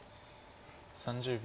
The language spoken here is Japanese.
３０秒。